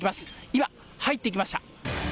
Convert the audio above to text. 今入っていきました。